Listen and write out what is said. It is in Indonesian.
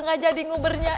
gak jadi nguber nya